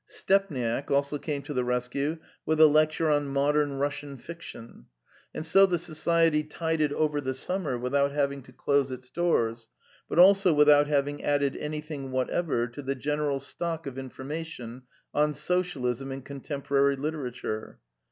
Stepniak also came to the rescue with a lecture on modem Russian fiction; and so the Society tided over the summer without having to close its doors, but also without having added anything whatever to the general stock of infor mation on Socialism in Contemporary Literature.